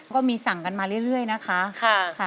ก็มีสั่งกันมาเรื่อยนะคะ